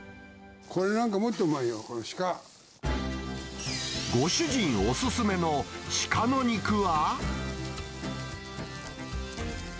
これなんかもっとうまいよ、ご主人お勧めのシカの肉は。